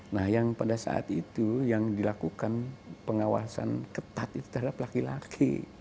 nah yang pada saat itu yang dilakukan pengawasan ketat itu terhadap laki laki